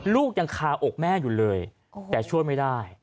ลูกยังคาอกแม่อยู่เลยแต่ช่วยไม่ได้